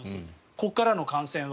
ここからの感染は。